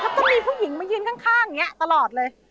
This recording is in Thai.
แล้วก็มีผู้หญิงมายืนข้างอย่างนี้ตลอดเลย